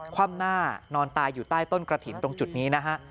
คว่ำหน้านอนตายอยู่ใต้ต้นกระถิ่นตรงจุดนี้นะฮะ